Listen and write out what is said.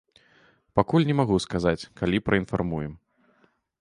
Пакуль не магу сказаць, калі праінфармуем.